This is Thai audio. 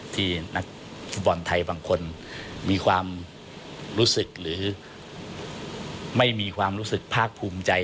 ที่บอลไทยบางคนมีความรู้สึกเห็นหรือหลักภูมิใจ